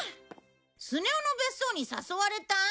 スネ夫の別荘に誘われた！？